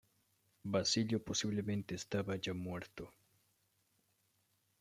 Basilio posiblemente estaba ya muerto.